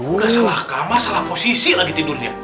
udah salah kama salah posisi lagi tidurnya